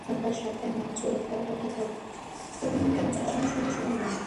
সন্ধ্যা সাতটায় মঞ্চে ওঠার কথা থাকলেও রাত পৌনে নয়টায় মঞ্চে আসেন সনু নিগম।